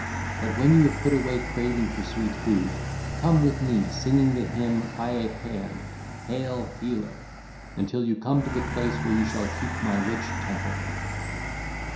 But when you have put away craving for sweet food, come with me singing the hymn Ie Paean (Hail, Healer!), until you come to the place where you shall keep my rich temple.